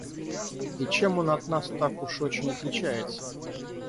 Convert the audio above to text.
И чем он от нас так уж очень отличается?